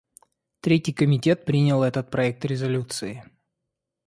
Третий комитет принял этот проект резолюции.